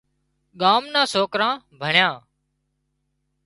ڳام نان سوڪران ڀڻيان